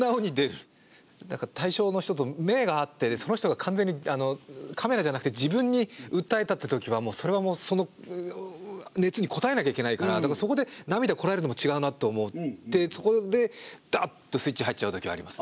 対象の人と目が合ってその人が完全にカメラじゃなくて自分に訴えたってときはもうそれはその熱に応えなきゃいけないからでもそこで涙をこらえるのも違うなと思ってそこでだってスイッチが入っちゃうときはありますね。